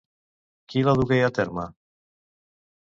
Qui la dugué a terme?